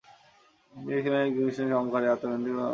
তিনি ছিলেন "এক্সিবিশনিস্ট, অহংকারী, আত্মকেন্দ্রিক এবং স্বেচ্ছাচারী"।